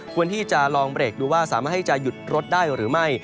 ควรที่จะลองเบรกดูว่าสามารถให้จะหยุดรถได้หรือไม่